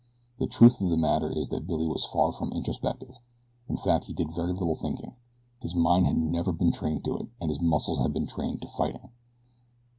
The truth of the matter is that Billy was far from introspective; in fact he did very little thinking. His mind had never been trained to it, as his muscles had been trained to fighting.